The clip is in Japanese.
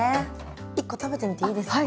１個食べてみていいですか？